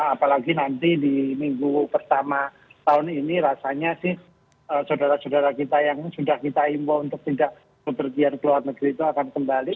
apalagi nanti di minggu pertama tahun ini rasanya sih saudara saudara kita yang sudah kita imbau untuk tidak berpergian ke luar negeri itu akan kembali